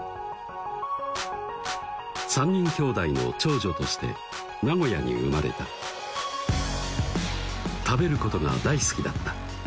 ３人きょうだいの長女として名古屋に生まれた食べることが大好きだった